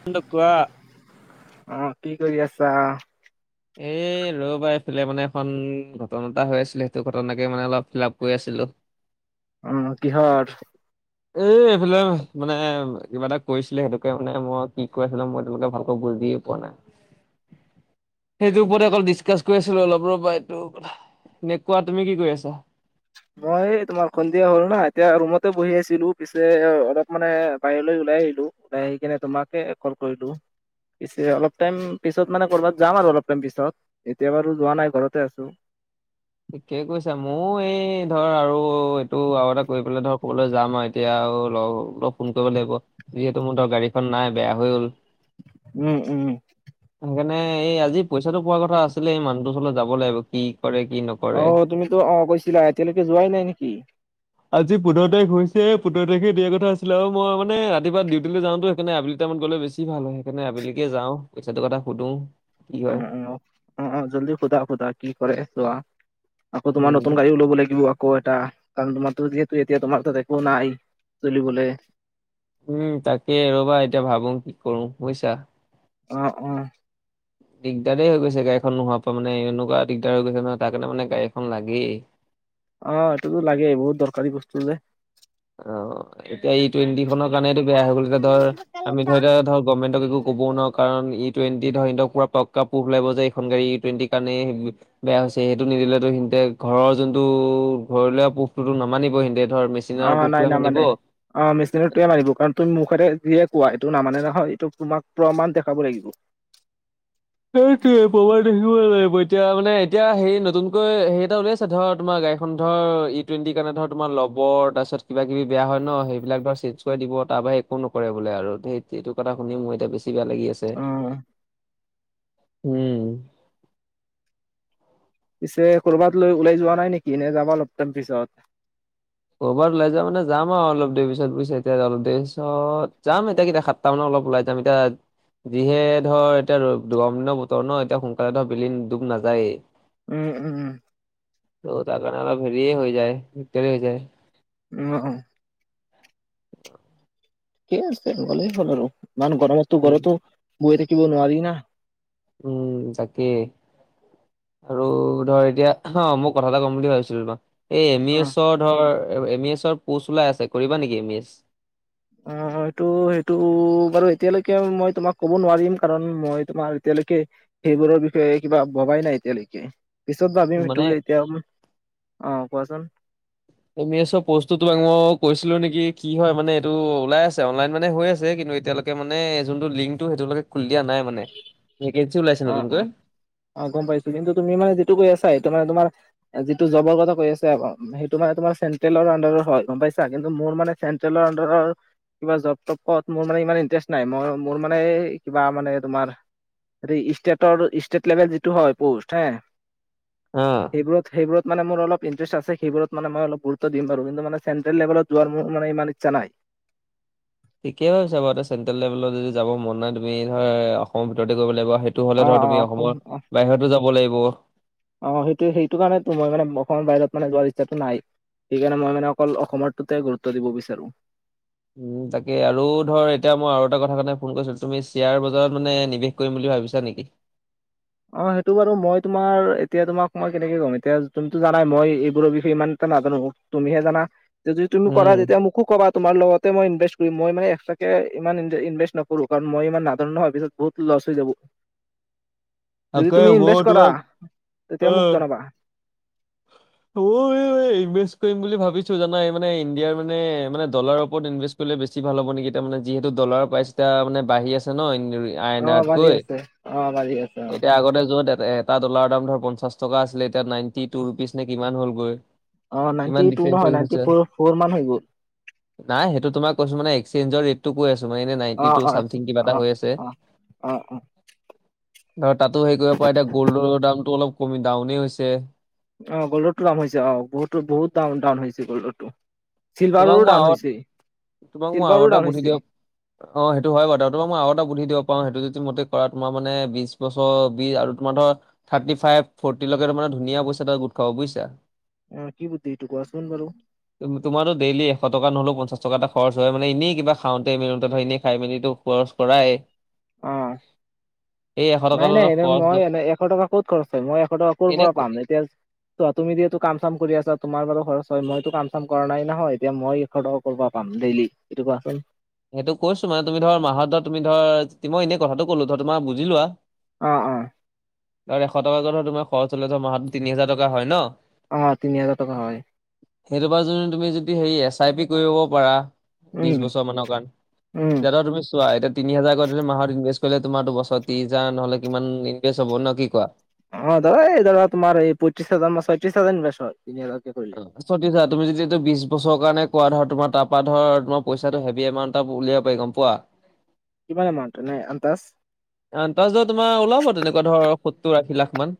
[unintelligible] অ, কি কৰি আছা? এই ৰৌবা এইফালে মানে এখন ঘটনা এটা হৈ আছিলে সেইটো ঘটনাকে মানে অলপ ফিল আপ কৰি আছিলো। উম কিহৰ? এই এইফালে মানে কিবা এটা কৰিছিলে সেইটোকে মানে মই কি কৈ আছিলো মই সেইটো কথা ভালকে একো বুজিয়ে পোৱা নাই। [inaudible] সেইটোৰ ওপৰতে অকল ডিছকাছ কৰি আছিলো অলপ ৰবা এইটো কথা তুমি কোৱা তুমি কি কৰি আছা? মই তোমাৰ সন্ধিয়া হ'ল না এতিয়া ৰুমতে বঢ়ি আছিলো পিছে অলপ মানে বাহিৰলৈ ওলাই আহিলো। ওলাই আহি কেনে তোমাকে কল কৰিলো। পিছে অলপ টাইম পিছত মানে কৰ'বাত যাম আৰু অলপ টাইম পিছত এতিয়া বাৰু যোৱা নাই ঘৰতে আছো। থিকেই কৈছা মইয়ো এই ধৰ আৰু এইটো আৰু এটা কৰি পেলাই ধৰ ক'বালে যাম আৰু এতিয়া আৰু লগক ফোন কৰিব লাগিব যিহেতু মোৰ ধৰক গাড়ীখন নাই বেয়া হৈ গ'ল। উম উম। সেইকাৰণে এই আজি পইচাটো পোৱাৰ কথা আছিলে এই মানুহটোৰ ওচৰলে যাব লাগিব কি কৰে কি নকৰে। অ তুমিতো অ কৈছিলা এতিয়ালৈকে যোৱাই নাই নিকি? আজি পোন্ধৰ তাৰিখ হৈছেহে পোন্ধৰ তাৰিখে দিয়া কথা আছিলে আৰু মই মানে ৰাতিপোৱা ডিউটিলৈ যাওঁতো সেইকাৰণে আবেলি আবেলি টাইমত গ'লে বেছি ভাল হয়, সেইকাৰণে আবেলিকে যাওঁ পইচাটো কথা সুধো কি উম হয়। অ অ অ জল্দি সোধা সোধা কি কৰে চোৱা। আকৌ তোমাৰ উম নতুন গাড়ীও ল'ব লাগিব আকৌ এটা। কাৰণ তোমাৰটো যিহেতু এতিয়া তোমাৰ তাত একো নাই চলিবলে। উম, তাকে ৰ'বা এতিয়া ভাবো কি কৰো পইচা। অ অ। দিগদাৰেই হৈ গৈছে গাড়ীখন নোহোৱাৰ পৰা মানে এনেকুৱা দিগদাৰ হৈ গৈছে নহয় তাৰ কাৰণে মানে গাড়ী এখন লাগেই। অ এইটোতো লাগেই বহুত দৰকাৰী বস্তু যে। অ এতিয়া ই টুৱেণ্টিখনৰ কাৰণেটো বেয়া হৈ গ'ল এতিয়া ধৰ আমি ধৰ এতিয়া ধৰ গভমেণ্টক একো ক'বও নোৱাৰো কাৰণ ই টুৱেণ্টি ধৰ ইহঁতক পোৰা পাক্কা প্ৰোভ লাগিব যে এইখন গাড়ী ই টুৱেণ্টিৰ কাৰণেই বেয়া হৈছে সেইটো নিদিলেটো সিহঁতে ঘৰৰ যোনটো ঘৰলোৱা প্ৰোভটো টো নামানিব সিঁহতে ধৰ মি অ, নাই নামানে। অ মেচিনৰটোৱে মানিব কাৰণ তুমি মুখেৰে যিয়ে কোৱা এইটো নামানে নহয় এইটো তোমাক প্ৰমাণ দেখাব লাগিব। সেইটোৱে প্ৰমান দেখিবই লাগিব এতিয়া মানে এতিয়া হেৰি নতুনকৈ হেৰি এটা উলিয়াইছে ধৰ তোমাৰ গাড়ীখন ধৰ ই টুৱেণ্টিৰ কাৰণে ধৰ তোমাৰ ল'ব তাৰপিছত কিবা কিবি বেয়া হয় ন সেইবিলাক ধৰ চেঞ্জ দিব তাৰ বাহিৰে একো নকৰে বোলে আৰু সেই এইটো কথা শুনি মোৰ এতিয়া বেছি বেয়া লাগি আছে। উম। পিছে কৰ'বাত লৈ ওলাই যোৱা নাই নিকি নে যাবা অলপ টাইম পিছত? ক'ৰবাত ওলাই যোৱা মানে যাম আৰু অলপ দেৰি পিছত বুইছাএতিয়া অলপ দেৰি পিছত যাম এতিয়া কেইটা সাতটা সাতটা মানত অলপ ওলাই যাম এতিয়া আজিহে ধৰ এতিয়া গৰম দিনৰ বতৰ ন এতিয়া সোনকালে ধৰ বেলি ডুব নাযায়েই। উম উম। তো তাৰ কাৰণে আমাৰ হেৰিয়ে হৈ যায় দিগদাৰে হৈ যায়। উম অ। ঠিকেই আছে গ'লেই হ'ল আৰু ইমান গৰমতটো উম ঘৰতো বঢ়ি থাকিব নোৱাৰি না। উম তাকে। আৰু ধৰ এতিয়া অ' মই কথা এটা ক'ম বুলি ভাবিছিলো তোমাক এই, এম, ই, অ এছৰ ধৰ এম ই এছৰ পোষ্ট ওলাই আছে কৰিবা নেকি এম ই এছ অ' সেটো সেইটো বাৰু এতিয়ালৈকে মই তোমাক ক'ব নোৱাৰিম কাৰণ মই তোমাৰ এতিয়ালৈকে সেইবোৰৰ বিষয়ে কিবা ভবাই নাই এতিয়ালৈকে পিছত ভাবিম মানে সেইটো এতিয়া অ' কোৱাচোন এম ই এছৰ পষ্টটো তোমাক মই কৈছিলোঁ নেকি কি হয় মানে, এইটো ওলাই আছে! অনলাইন মানে হৈ আছে কিন্তু এতিয়ালৈকে মানে যোনটো লিংকটো সেইটোলৈকে খুলি দিয়া নাই মানে ভেকেঞ্চি ওলাইছে অ অ নতুনকৈ অ', গম পাইছোঁ, কিন্তু তুমি মানে যিটো কৈ আছা এইটো মানে তোমাৰো এ যিটো জবৰ কথা কৈ আছা [inaudible] সেইটো মে তোমাৰ চন্ট্ৰেলৰ আণ্ডাৰৰ হয়, গম পাইছা কিন্তু মোৰ মানে চেন্ট্ৰেলৰ আণ্ডাৰৰ কিবা জব তপত মোৰ মানে ইমান ইণ্টাৰেষ্ট নাই, মই মোৰ মানে কিবা মানে তোমাৰ ষ্টেটৰ ষ্টেট লেভেল যিটো হয় পষ্ট হে অ', সেইবোৰত, সেইবোৰত মানে মোৰ অলপ ইণ্টাৰেষ্ট আছে! সেইবোৰত মানে মই অলপ গুৰুত্ব দিম বাৰু কিন্তু মানে চেন্ট্ৰেল লেভেলত যোৱাৰ মো মানে ইমান ইচ্ছা নাই ঠিকেই ভাবিছা, বাৰু ত চেন্ট্ৰেল লেভেলত যদি যাব মন নাই, তুমি ধৰা অসমৰ ভিতৰতে কৰিব লাগিব হেইত টো, অ হ'লে ধৰা অ তুমি অসম অসমৰ অ বাহিৰতো যাব লাগিব! অ', সেইটো, সেইটো কাৰণেতো মই মানে অসমৰ বাহিৰত মানে যোৱাৰ ইচ্ছাটো নাই। সেইকাৰণে মই মানে অকল অসমৰটোতে গুৰুত্ব দিব বিচাৰোঁ! উম, তাকে আৰু ধৰ এতিয়া মই আৰু এটা কথা কাৰণে ফোন কৰিছিলোঁ তুমি শ্বেয়াৰ বজাৰত মানে নিৱেশ কৰিম বুলি ভাবিছা নেকি? অ', সেইটো বাৰু মই তোমাৰ এতিয়া তোমাক মই কেনেকে কম এতিয়া তুমিতো জানাই মই এইবোৰৰ বিষয়ে ইমান এটা নাজানো তুমিহে জানা! যদি তুমি কৰা উম তেতিয়া মোক মোকো ক'বা! তোমাৰ লগতে মই ইনভেষ্ট কৰিম! মই মান এক্সটাকৈ ইমান ইন ইনভেষ্ট নকৰোঁ! কাৰণ মই ইমান নাজানো নহয় পিছত বহুত লছ হৈ যাবো! যদি তাকে তুমি মই ইনভেষ্ট কৰা তোমাক তেতিয়া মেকে জনাবা! অই, অই ইনভেষ্ট কৰিম বুলি ভাবিছোঁ! জানা এই মানে ইণ্ডিয়াৰ মানে, মানে ডলাৰৰ ওপৰত ইনভেষ্ট হ'লে বেছি ভাল হব নেকি তাৰমানে যিহেতু ডলাৰ প্ৰাইচটা মানে বাঢ়ি আছে ন [unintelligible] অ বাঢ়ি আইনাতকৈ আছে অ বাঢ়ি আছে অ এতিয়া আগতে য'ত এট, এট এটা ডলাৰৰ দাম ধৰ পঞ্চাশ টকা আছিলে! এতিয়া নাইনটি টু ৰুপিজ নে কিমান হ'লগৈ অ', নাইনটি কিমান টু ডিফাৰেঞ্চ হৈ নহয়! নাইনটি গৈছে ফ'ৰ, ফ'ৰ মান হৈ গ'ল। নাই, সেইটো তোমাৰ কৈছোঁ মানে একচেঞ্জৰ ৰেট ত, কৈ আছোঁ! মানে এনে অ নাইনটি টু অ চামথিং কিবা অ এটা হৈ আছে! অ অ অ আৰু তাতো হেৰি কৰিব পাৰা! এতিয়া গ'ল্ডৰ দামটো অলপ কমি ডাউনেই হৈছে! অ', গল্ডৰটো দাম হৈছে! অ', বহুতো বহুত দাম ডাউন হৈছে! গল্ডৰটো চিলভাৰৰো তোমাক মই ডাউন আৰু হৈছে! তোমাক মই আৰু চিলভাৰো এটা ডাউন বুদ্ধি দিব হৈছে! অ', হেইটো হয় বাৰু উ তোমাক মই আগ এটা বুধি দিব পাৰোঁ! হেইটো যদি মতে কৰা তোমাৰ মানে বিশ বছৰ বি আৰু তোমাৰ ধৰ থাৰ্টি ফাইভ ফৰ্টিলৈকে তাৰমানে ধুনীয়া পইছা এটা গোট খাব বুজিছা। অ', কি বুদ্ধি এইটো কোৱাচোন বাৰু তোমাৰো ডেইলি এশ টকা নহলেও, পঞ্চাশ টকা এটা খৰচ হয়! মানে এনেই কিবা খাওঁতে মেলোতে ধৰ এনেই খাই মেলি তো, তো [unintelligible] অ', এশ টকা নাই, এটা নাই ধৰ এনে খৰচ ন মই এনে এশ টকা ক'ত খৰচ কৰিম! মই এশ টকা ক'ৰ এনে পৰা ক- পাম এতিয়া ত তুমি য এইটো কাম চাম কৰি আছা, তোমাৰ বাৰু খৰচ হয় মইতো কাম চাম কৰা নাই নহয় এতিয়া মই [inaudible] ডেইলি সেইটো কোৱাচোন সেইটো কৈছোঁ! মানে তুমি ধৰা মাহত ধৰা তুমি ধৰা মই এনেই কথাটো কলোঁ ধৰা তোমাৰ বুজি লোৱা! অ', অ', আৰু এশ টকাকৈ হলেও তোমাৰ খৰচ হলে মাহত তিনি হাজাৰ টকা হয় ন। অ', তিনি হাজাৰ টকা হয়! সেইটো পা যদি তুমি যদি হেৰি এছ আই পি কৰিব পাৰা বিশ উম বছৰ মানক উম [unintelligible] তুমি চোৱা [unintelligible] তিনি হাজাৰ কৰি যদি মাহত ইনভেষ্ট কৰিলে, তোমাৰ দুবছৰ ত্ৰিশ হাজাৰ নহ'লে কিমান ইনভেষ্ট হব ন কি কোৱা অ', দাদা এই দাদা তোমাৰ এই পঁয়ত্ৰিশ হাজাৰ নে ছয়ত্ৰিশ হাজাৰ ইনভেষ্ট হয়! তিনি হাজাৰ া তুমি যদি এইটো বিশ বছৰ কাৰণে কোৱা ধৰা তোাৰপ পৰা ধৰ তোমাৰ পইচাটো হেভি এমাউণ্ট [inaudible] উলিয়াব পাৰি! গম পোৱা! কিমান এমাউণ্ট এনে আন্তাজ আন্তাজত তোমাৰ ওলাব তেনেকুৱা ধৰ সত্তৰ আশী লাখমান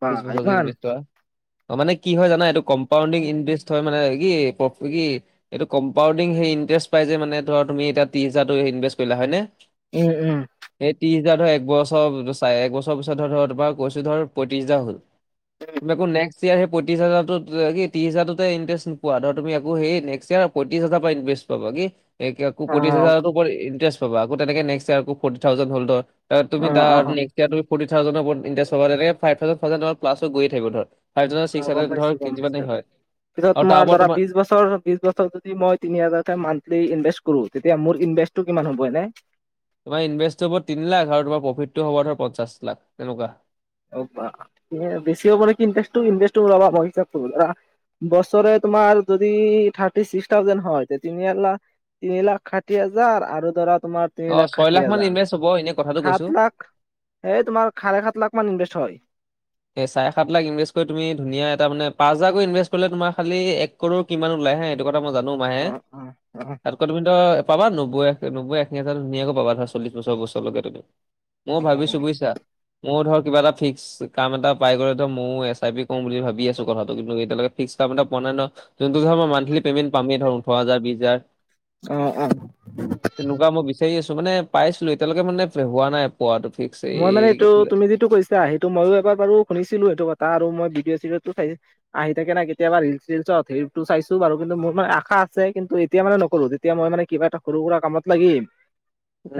বা বিশ বছৰ যদি ইমান ইনভেষ্ট কৰা মানে কি হয় জানা এইটো কম্পাউণ্ডিং ইণ্টাৰেষ্ট হয় মানে কি কি এইটো কম্পাউণ্ডিং হেৰি ইন্টাৰেষ্ট পাই যে মানে ধৰ তুমি ত্ৰিছ হাজাৰ টো ইনভেষ্ট কৰিলা হয় নে উম উম এই ত্ৰিশ হাজাৰ ধৰ এক বছৰ চাৰে এক বছৰ পিছত ধৰ তোমাৰ কৈছো ধৰ পয়ত্ৰিছ হাজাৰ হ'ল তুমি আকৌ নেক্সট ইয়েৰ সেই পঁয়ত্ৰিছ হাজাৰতো কি ত্ৰিছ হাজাৰতোতে ইণ্টাৰেষ্ট নোপোৱা ধৰ তুমি আকৌ সেই নেক্সট ইয়েৰ পঁয়ত্ৰিছ হাজাৰ পৰা ইন্টাৰেষ্ট পাবা কি এক আকৌ অ পয়ত্ৰিছ হাজাৰৰ ওপৰত ইণ্টাৰেষ্ট পাব আকৌ তেনেকে নেক্সট ইয়েৰ আকৌ ফৰ্টি থাউজেণ্ড হল ধৰ অ তুমি অ অ তাৰ নেক্সট ফৰৰ্টি থাউজেণ্ড ৰ ওপৰত ইন্টাৰেষ্ট পাবা তেনেকে five thousand five thousand plus হৈ গৈয়ে থাকিব ধৰ ফাইভ থাউজেণ্ড অ চিক্স গম হানন্ডেড পাইছো ধৰ গম যিমানেই পাইছো হয় পিছত আৰু তাৰ তোমাৰ ওপৰত ধৰা বিশ বছৰ ধৰ বিশ বছৰ যদি মই তিনি হাজাৰকে মান্থলি ইনভেষ্ট কৰো তেতিয়া মোৰ ইনভেষ্টটো কিমান হ'ব এনেই তোমাৰ ইনভেষ্ট হ'ব তিনি লাখ আৰু তোমাৰ প্ৰফিতটো হ'ব ধৰ পঞ্চাশ লাখ তেনেকুৱা অ বা বেছি হব নেকি ইনভেষ্ট টো ৰবা মই হিচাপ কৰো বছৰে তোমাৰ যদি থাৰ্টি ছিক্স থাউজেণ্ড হয় তে তিনি লা তিনি লাখ ষাঠি হাজাৰ আৰু ধৰা তোমাৰ অ তিনি লাখ ছয় ষাঠি মান হাজাৰ ইনভেষ্ট হ'ব এনেই কথাটো কৈছো সাত লাখ এই তোমাৰ চাৰে সাত লাখ মান ইনভেষ্ট হয় এই চাৰে সাত লাখ ইনভেষ্ট কৰি তুমি ধুনীয়া এটা মানে পাঁচ হাজাৰকৈ ইনভেষ্ট কৰিলে তোমাৰ খালি এক কৰোৰ কিমান ওলাই হে এই কথা মই জানো মাহে অ অ অ তাতকৈ তুমি ধৰ পাবা নব্বৈ নবৈ আশী হাজাৰ ধুনীয়াকৈ পাবা ধৰ চল্লিশবছৰ বছৰলৈকে তুমি মই ভাবিছো বুজিছা মই ধৰ কিবা এটা ফিক্স কাম এটা পাই গলো ধৰ ময়ো এছ আই পি এটা কৰো বুলি ভাবি আছো কথাটো কিন্তু এতিয়ালৈ ফিক্স কাম এটা পোৱা নাই ন যোনটো ধৰ মই মান্হলি পেমেন্ট পামেই ধৰ ওঠৰ হাজাৰ বিশ হাজাৰ অ অ তেনেকুৱা মই বিচাৰি আছো মানে পাইছিলো এতিয়ালৈকে মানে হোৱা নাই পোৱাাতটো ফিক্স এই মই মানে কি এইটো আছিলে তুমি যিটো কৈছা সেইটো ময়ো বাৰু শুনিছিলো সেইটো কথা আৰু মই ভিডিঅ চিডিঅ টো চাই আহি থাকে নাই কেতিয়াবা ৰিল চিলচত হে টো চাইছো বাৰু কিন্তু মোৰ মানে আশা আছে কিন্তু এতিয়া মানে নকৰো যেতিয়া মই মানে কিবা এটা সৰু সুৰা কামত লাগিম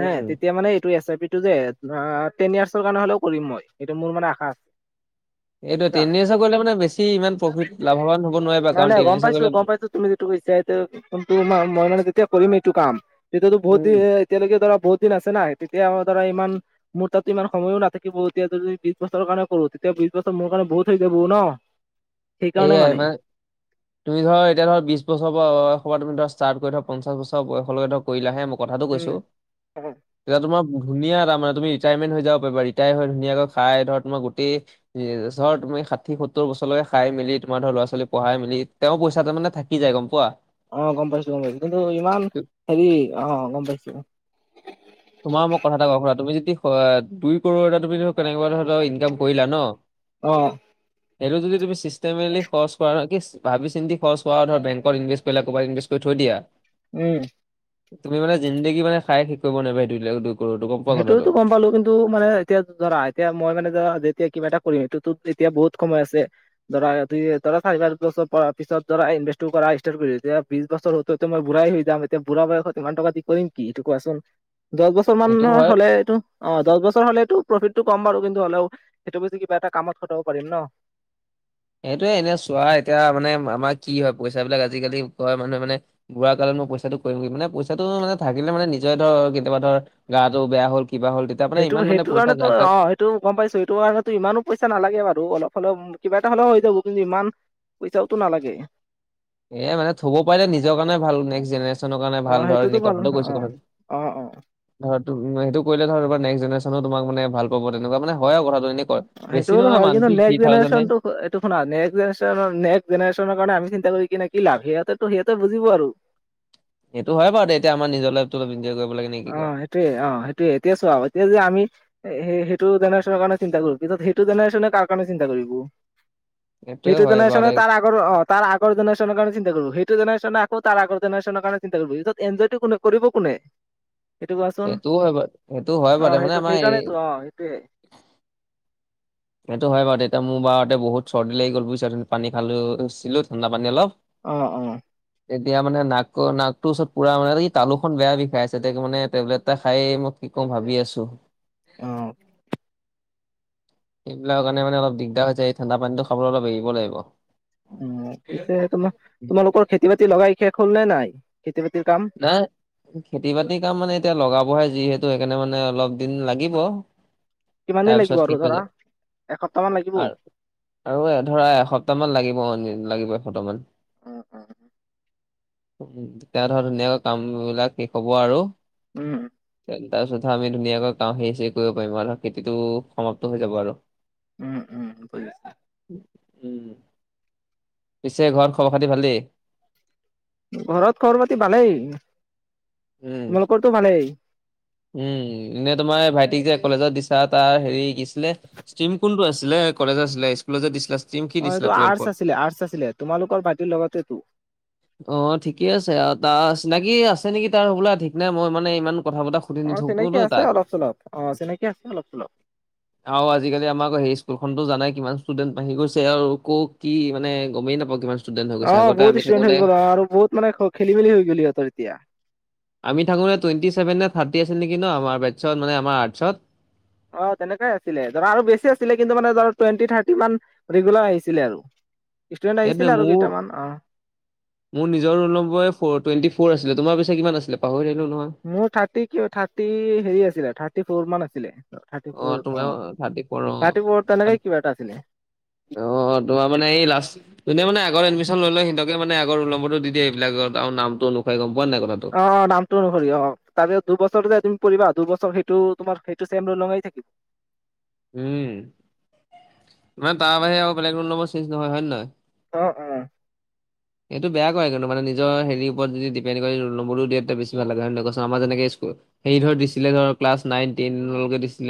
হে তেতিয়া মানে এইটো এছ আই পি টো যে বা টেন ইয়াৰচৰ কাৰণে হ'লেও কৰিম মই এইটো মোৰ মানে আশা আছে এইটো বুজিছা। তিনিবছৰ কৰিলে মানে বেছি ইমান প্ৰফিট লাভৱান হ'ব নোৱাৰিবা নাই কাৰণ নাই তিনি গম বছৰ পাইছো কৰিলে গম পাইছো তুমি যিটো কৈছা এ মই মানে যেতিয়া কৰিম এইটো কাম তেতিয়াতো বহুত দেৰি উম, এ এতিয়ালৈকে ধৰা বহুত দিন আছে না তেতিয়া ধৰা ইমান মোৰ তাতো ইমান সময়ো নাথাকিব এতিয়া যদি বিশ বছৰ কাৰণে কৰো তেতিয়া বিশ বছৰ মোৰ কাৰণে বহুত হৈ যাবগৈ ন [inaudible] এইয়াই মানে তুমি ধৰ এতিয়া ধৰ বিশ বছৰ বয়সৰ তুমি ধৰা ষ্টাৰ্ট কৰি ধৰ পঞ্চাছ বছয়সলৈকে ধৰ কৰিলাহে মোক কথাটো কৈছো উম এতিয়া তোমাৰ ধুনীয়া ত মানে তুমি ৰিটাৰেণ্ট হৈ যাব পাৰিবা ৰিটায়াৰ হৈ ধুনীয়াকৈ খাই ধৰ তোমাৰ গোটেই চৰত তুমি ষাঠি সত্তৰ বছৰলৈকে খাই মেলি তোমাৰ ধৰ ল'ৰা ছোৱাল পঢ়াই মেলি তেওঁ পইচাটো মানে থাকি যায় গম পোৱা অ গম পাইছো গম পাইছো কিন্তু ইমান তো- হেৰি অ গম পাইছো তোমাৰ মোক কথা এটা কও শুনা তুমি যদি দুই কৰোৰ এটা তুমি কেনেকুৱা ধৰ ইনকাম কৰিলা ন অ এইটো যদি তুমি চিষ্টেমেলি খৰচ কৰা কি ভাবি চিন্তি খৰচ কৰা ধৰা বেংক ইনভেষ্ট কৰিলা কৰবাত ইনভেষ্ট। থৈ দিয়া। উম। তুমি মানে জিন্দেগী মানে খাই শেষ কৰিব নোৱাৰিবা সেইটো সেইটোৱেটো গম পালোঁ কিন্তু। টো মানে এতিয়াটো ধৰা এতিয়া মই মানে ধৰা যেতিয়া কিবা এটা কৰিম, সেইটোতো তেতিয়া বহুত সময় আছে। ধৰা, ধৰা চাৰি-পাঁচ বছৰ পিছত ধৰা ইনভেষ্টটো কৰা ষ্টাৰ্ট কৰিলো, তেতিয়া বিশ বছৰ হ'ল। টো মই বুঢ়াই হৈ যাম, এতিয়া বুঢ়া বয়সত ইমান টকা দি কৰিম কি, এইটো কোৱাচোন? দহ বছৰ। সেইটো [unintelligible] হয় হ'লে এইটো। অ', দহ বছৰ হ'লেটো প্ৰফিটটো কম বাৰু, কিন্তু হ'লেও সেইটো বেচি, কিবা এটা কামত খটাব পাৰি ন। সেইটোয়ে এনে চোৱা, এতিয়া মানে আমাৰ কি হয় পইচাবিলাক আজিকালি ঘৰ মানুহে মানে বুঢ়া কালত মই পইচাটো কৰিম কি, মানে পইচাটো মানে থাকিলে মানে, নিজে ধৰ, কেতিয়াবা ধৰ গাটো বেয়া হ'ল, কিবা হ'ল তেতিয়া মানে সেইটো, ইমান মানে সেইটো পইচা কাৰণেতো যাক তাক অ'। এইটো গম পাইছো, সেইটো কাৰণেতো, ইমানও পইচা নালাগে বাৰু, অলপ হ'লেও কিবা এটা হ'লেও হৈ যাব। কিন্তু, ইমান পইচাওতো নালাগে। এ মানে, থ'ব পাৰিলে নিজৰ কাৰণে ভাল। Next generation. কাৰণে অ ভাল, ধৰ সেইটোতো এনে ভাল কথাটো কৈছো, অ কথাটো। অ অ ধৰ তো সেইটো কৰিলে ধৰ তোমাক নক্স জেনেৰেনেও তোমাক মানে ভালপাব। তেনেকুৱা মানে হয় আৰু কথাটো এনে। সেইটোও হয়, কিন্তু, নেক্সট জেনেৰেচনটো এইটো শুনা, নেক্স জেনেৰেচন নেক্টট জেনেৰেচনৰ কাৰণে আমি চিন্তা কৰি কিনে কি লাভ, সিহঁতৰটো সিহঁতে বুজিব আৰু। এইটো হয় বাৰু দেই, এতিয়া আমাৰ নিজৰ লাইফটো আমি নিজেই কৰিব লাগে। নে কি কোৱা? অ', সেইটোয়, অ', সেইটোয়ে। এতিয়া চোৱা, এতিয়া যে আমি সেই-সেইটো জেনেৰেচনৰ কাৰণে চিন্তা কৰোঁ, সেইটো জেনেৰেচনে কাৰ কাৰণে চিন্তা কৰিব? সেইটোয়ে সেইটো হয় বাৰু জেনেৰেচনে দে তাৰ আগৰ অ', তাৰ আগৰ জেনেৰেচনৰ কাৰণে চিন্তা কৰিব, সেইটো জেনেৰেচনে আকৌ তাৰ আগৰ জেনেৰেচনৰ কাৰণে, পিছত ইঞ্জয়টো কোনে কৰিব কোনে? সেইটো কোৱাচোন সেইটোও হয় বাৰু, সেইটো হয় অ বাৰু মানে, সেইটো আমাৰ এই সেইকাৰণেতো অ', সেইটোৱে। সেইটো হয় বাৰু, এতিয়া মোৰ বাৰতে বহুত চৰ্দি লাগি গ'ল বুইছা, খুৱ পানী খালো-ছিলো ঠাণ্ডাপানী অলপ। অ', অ'। এতিয়া মানে, নাকৰ-নাকটোৰ ওচৰত পুৰা মানে এই তালোখন বেয়া বিষাই আছে তাকে মানে টেবলেট এটা খাইয়ে মই কি কওঁ, ভাবি আছো। অ'। এইবিলাকৰ কাৰণে মানে অলপ দিগদাৰ হৈছে, এই ঠাণ্ডা পানীটো খাবলৈ অলপ এৰিব লাগিব। উম, পিছে, তোমাৰ তোমালোকৰ খেতি-বাতি লগাই শেষ হ'ল নে নাই? খেতি বাতিৰ কাম। নাই। খেতি-বাতিৰ কাম মানে, এতিয়া লগাবহে যিহেতু, সেইকাৰণে মানে অলপ দিন লাগিব। কিমান দিন লাগিব তাৰপিছত আৰু কি হৈ ধৰা যায়, এসপ্তাহ মান লাগিব। আৰু। আৰু ধৰা, এসপ্তাহ মান লাগিব, লাগিব এসপ্তাহ মান। উম উম তেওঁ ধৰা, ধুনীয়াকৈ কামবিলাক শেষ হব আৰু। উম। তাৰ পিছতহে আমি ধুনীয়াকৈ গাওঁত হেৰি-চেৰি কৰিব পাৰিম আৰু খেতিটো সমাপ্ত হৈ যাব আৰু। উম উম বুজিছো। [inaudible] উম, পিছে ঘৰত খবৰ-খাতি ভালেই? ঘৰত খবৰ-পাতি ভালেই, উম, তোমালোকৰটো ভালেই? উম, এনে তোমাৰ ভাইটিক যে কলেজত দিছা, তাৰ হেৰি কি আছিলে ষ্টিম কোনটো আছিলে? কলেজ আছিলে [unintelligible] দিছিলে ষ্ট্ৰীম? কি অ', দিছিলা এইটো টুৱেলভত? আৰ্টছ আছিলে, আৰ্টছ আছিলে, তোমালোকৰ ভাইটিৰ লগতেটো। অ' ঠিকে আছে আৰু তাৰ চিনাকি আছে নেকি তাৰ হ'বলা ঠিক নাই, মই মানে ইমান কথা পতা অ' চিনাকি আছে অলপ চলপ অ' চিনাকি আছে অলপ চলপ। আৰু আজিকালি আমাক সেই স্কুলখনতো জানাই কিমান ষ্টুডেণ্ট বাহি গৈছে আৰু কৰ কি মানে গমেই নাপাও কিমান ষ্টুডেন্ট হৈ গৈছে অ' আগতে বহুত আমি ষ্টুডেন্ট হৈ থাকোতে গ'ল অ' আৰু বহুত মানে খেলি মেলি হৈ গ'ল সিহতঁৰ এতিয়া। আমি থাকোঁতে টুৱেণ্টি চভেনে নে থাৰ্টি আছিল নেকি ন? আমাৰ বেটছত মানে আমাৰ আৰ্টছত। অ' তেনেকুৱাই আছিলে ধৰা আৰু বেছি আছিলে কিন্তু মানে ধৰা টুৱেণ্টি থাৰ্টি মান ৰেগুলাৰ আহিছিলে আৰু। ষ্টুডেন্ট আহিছিলে এইটোৱে আৰু মোৰ কেইটামান অ। মোৰ নিজৰ ৰোলম্বৱে ফৌৰ টুৱেণ্ট ফৌৰ আছিলে। তোমাৰ পিছে কিমান আছিলে পাহৰি থাকিলোঁ নহয়। মোৰ থাৰ্টি ক, থাৰ্টি হেৰি আছিলে থাৰ্টি ফৌৰ মান আছিলে। থাৰ্টি ফৌৰ তোমাৰ অ, থাৰ্টি ফ'ৰ থাৰ্টি ফৌৰ অ তেনেকাই কিবা এটা আছিলে। অ' তোমাৰ মানে এই লাষ্ট তুমি মানে আগত অ এডমিচন লৈ লৈ সিহঁতক মানে আগৰ ৰোলনম্বৰ দি দিয়া এইবিলাকৰ আৰু নামটো অনুসাৰে গম পোৱা নাই কথাটো। অ' নামটো অনুসৰি অ, তাৰে দুবছৰ যে তুমি পৰিবা দুবছৰ সেইটো তোমাৰ সেইটো চেম ৰোল লঙেই থাকিব। হুম, মানে তাৰ বাহিৰে আৰু বেলেগ ৰোল নম্বৰ চেঞ্জ নহয়। হয় নে নহয়? অ', অ'। এইটো বেয়া কৰে কিন্তু মানে নিজৰ হেৰি ওপৰত যদি দিপেণ্ড কৰি ৰোল নম্বৰটো দিয়ে তেতিয়া বেছি ভাল লাগে হয় নে নহয় কচোন? আমাৰ যেনেকে স্কুল হেৰি ধৰ দিছিলে ধৰ ক্লাছ নাইন, টেইনৰ লৈকে দিছিলে।